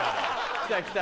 来た来た。